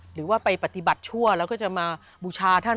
หรือว่าไปปฏิบัติชั่วแล้วก็จะมาบูชาท่าน